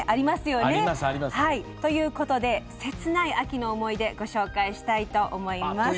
ということで「切ない秋の思い出」ご紹介したいと思います。